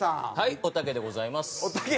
「おたけでございます」。